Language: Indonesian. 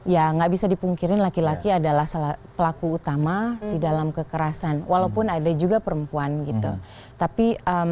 yang fungkirin laki laki adalah salah kelaku utama dalam kekerasan walaupun ada juga perempuan tapi